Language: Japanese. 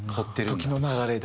時の流れだ。